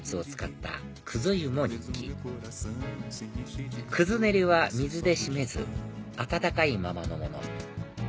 たゆも人気ねりは水で締めず温かいままのもの